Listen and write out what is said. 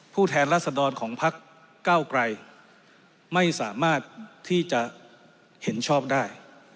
แทนรัศดรของพักเก้าไกรไม่สามารถที่จะเห็นชอบได้